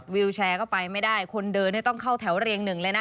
วิวแชร์ก็ไปไม่ได้คนเดินต้องเข้าแถวเรียงหนึ่งเลยนะ